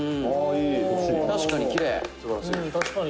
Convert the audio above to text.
川西：「確かにきれい」